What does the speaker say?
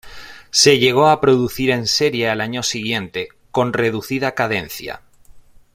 Se llegó a producir en serie al año siguiente, con reducida cadencia.